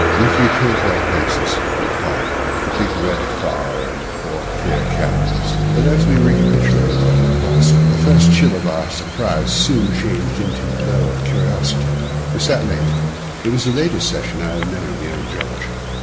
We three turned to our places in the parlour, with the big red fire and four clear candles; and as we recapitulated what had passed, the first chill of our surprise soon changed into a glow of curiosity. We sat late; it was the latest session I have known in the old George.